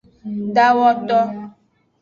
Dawoto.